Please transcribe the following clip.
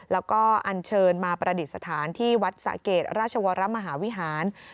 แล้วก็อันเชิญมาประดิษฐานที่วัดสะเกดราชวรมหาวิหาร